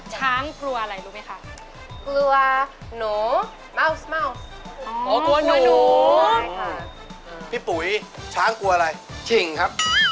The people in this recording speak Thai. ช้างกลัวอะไรรู้ไหมคะ